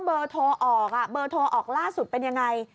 เบอร์โทรออกล่าสุดเป็นอย่างไร